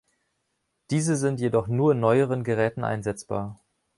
Diese sind jedoch nur in neueren Geräten einsetzbar.